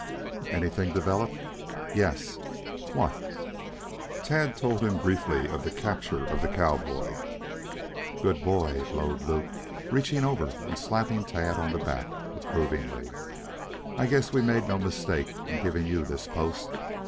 "Anything develop?" "Yes." "What?" Tad told him briefly of the capture of the cowboy. "Good boy," glowed Luke, reaching over and slapping Tad on the back approvingly. "I guess we made no mistake in giving you this post.